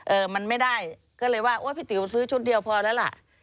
เออมันไม่ได้ก็เลยว่าโอ๊ยพี่ติ๋วซื้อชุดเดียวพอแล้วล่ะ